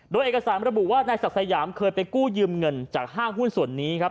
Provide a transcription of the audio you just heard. โดยเอกสารระบุว่านายศักดิ์สยามเคยไปกู้ยืมเงินจากห้างหุ้นส่วนนี้ครับ